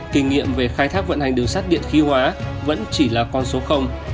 kinh nghiệm về khai thác vận hành đường sắt điện khí hóa vẫn chỉ là con số